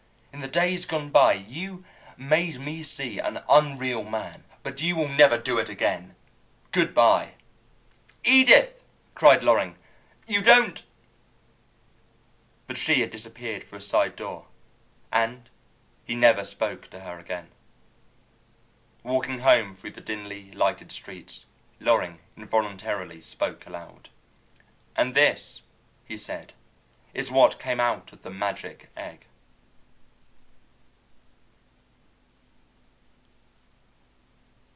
In the days gone by you made me see an unreal man, but you will never do it again! Good by." "Edith," cried Loring, "you don't " But she had disappeared through a side door, and he never spoke to her again. Walking home through the dimly lighted streets, Loring involuntarily spoke aloud. "And this," he said, "is what came out of the magic egg!"